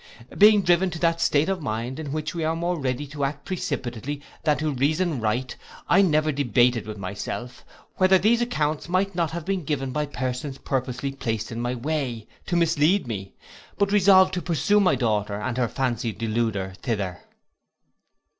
Being driven to that state of mind in which we are more ready to act precipitately than to reason right, I never debated with myself, whether these accounts might not have been given by persons purposely placed in my way, to mislead me, but resolved to pursue my daughter and her fancied deluder thither.